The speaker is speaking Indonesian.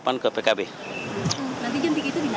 nanti jam tiga itu di nasdem